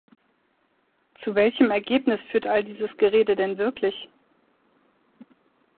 Zu welchem Ergebnis führt all dieses Gerede denn wirklich?